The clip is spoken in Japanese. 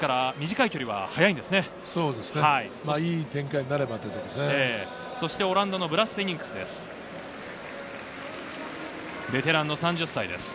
いい展開になればということですね。